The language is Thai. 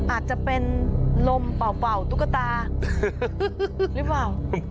อาจจะเป็นลมเป่าตุ๊กตาหรือเปล่า